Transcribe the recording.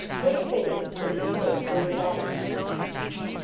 Which fate is to be preferred for your daughter?"